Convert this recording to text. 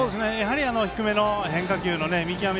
低めの変化球の見極め